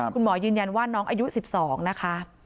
คุณหมอยืนยันว่าน้องอายุ๑๒นะคะ